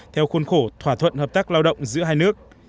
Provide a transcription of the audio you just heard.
theo khuôn khổ thỏa thuận hợp tác lao động giữa hai nước